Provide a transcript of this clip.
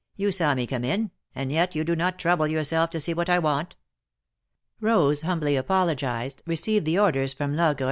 You saw me' come in, and yet you do not trouble yourself to see what I want." Rose humbly apologized, received the orders from Logre THE MARKETS OF PARIS.